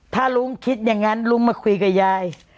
ถ้าลุงคิดอย่างนั้นลุงมาคุยกับยาย